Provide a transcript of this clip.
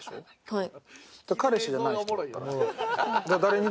はい。